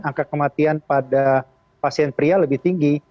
angka kematian pada pasien pria lebih tinggi